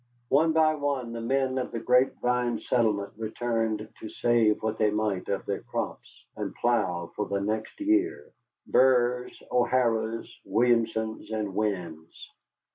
One by one the men of the Grape Vine settlement returned to save what they might of their crops, and plough for the next year Burrs, O'Haras, Williamsons, and Winns.